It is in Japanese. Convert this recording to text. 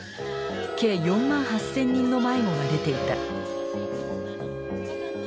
計４万８，０００人の迷子が出ていた。